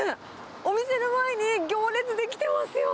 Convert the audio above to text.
お店の前に行列出来てますよ。